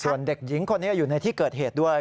ส่วนเด็กหญิงคนนี้อยู่ในที่เกิดเหตุด้วย